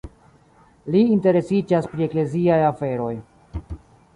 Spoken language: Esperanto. Li interesiĝas pri ekleziaj aferoj.